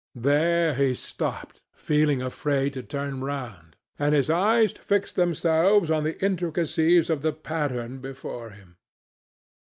There he stopped, feeling afraid to turn round, and his eyes fixed themselves on the intricacies of the pattern before him.